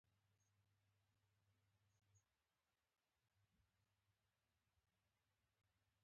هغوی خپلې ټولنې د بوشونګانو د مشر په څېر منظمې کړې.